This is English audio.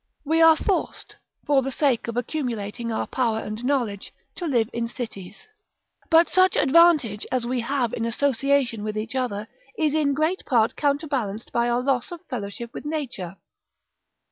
We are forced, for the sake of accumulating our power and knowledge, to live in cities; but such advantage as we have in association with each other is in great part counterbalanced by our loss of fellowship with nature.